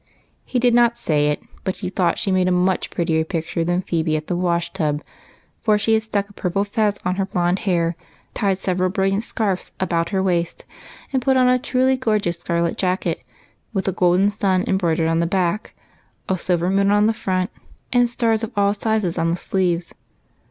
He did not say it, but he thought she made a much prettier picture than Phebe at the wash tub, for she had stuck a purple fez on her blonde head, tied several brilliant scarfs about her waist, and put on a truly gorgeous scarlet jacket with a golden sun embroidered 54 EIGHT COUSINS. on the back, a silver moon on the front, and stars of all sizes on the sleeves.